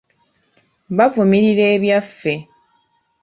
Bavumirira ebyaffe.